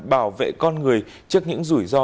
bảo vệ con người trước những rủi ro